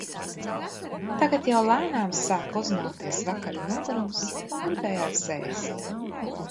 Tagad jau lēnām sāka uzmākties vakara nogurums un gribējās ēst.